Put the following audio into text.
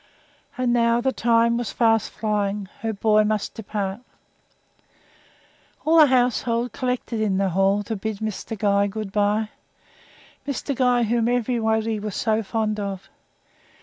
And now the time was fast flying her boy must depart. All the household collected in the hall to bid Mr. Guy good bye Mr. Guy whom everybody was so fond of.